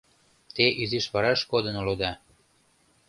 Те изиш вараш кодын улыда.